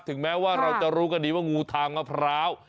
ถึงแม้ว่าเราจะรู้กันดีว่างูทางมะพร้าว